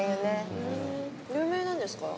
ふん有名なんですか？